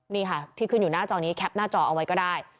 นี่ค่ะที่ขึ้นอยู่หน้าจอนี้แคปหน้าจอเอาไว้ก็ได้